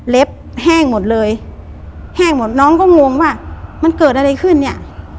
แห้งหมดเลยแห้งหมดน้องก็งงว่ามันเกิดอะไรขึ้นเนี่ย